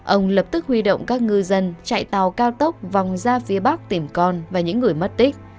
ông lập tức huy động các ngư dân chạy tàu cao tốc vòng ra phía bắc tìm con và những người mất tích